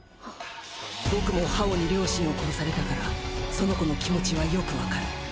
僕も葉王に両親を殺されたからその子の気持ちはよくわかる。